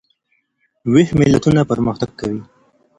ویښ ملتونه پرمختګ کوي.